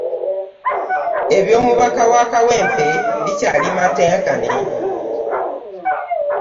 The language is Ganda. Eby'omubaka w'e Kawempe bikyali matenkane.